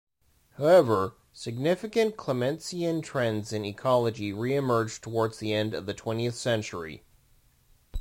However, significant Clementsian trends in ecology re-emerged towards the end of the twentieth century.